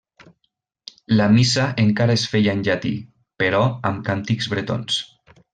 La missa encara es feia en llatí però amb càntics bretons.